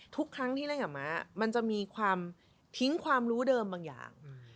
ทุกครั้งที่เล่นกับม้ามันจะมีความทิ้งความรู้เดิมบางอย่าง